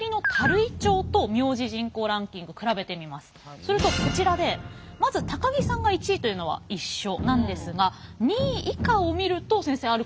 するとこちらでまず高木さんが１位というのは一緒なんですが２位以下を見ると先生あることが分かるんですよね？